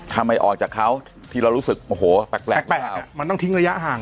ทำไมออกจากเขาที่เรารู้สึกโอ้โหแปลกแปลกแปลกแปลกมันต้องทิ้งระยะห่าง